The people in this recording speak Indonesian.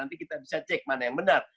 nanti kita bisa cek mana yang benar